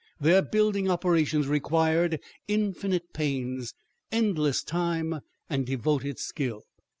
Their building operations required infinite pains, endless time, and devoted skill.